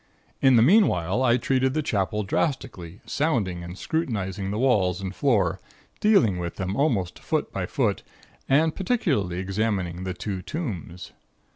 In the meanwhile, I treated the Chapel drastically, sounding and scrutinizing the walls and floor, dealing with them almost foot by foot, and particularly examining the two tombs.